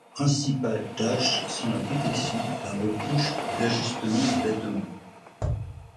Ses principales tâches sont la confection, la retouche ou l'ajustement de vêtements.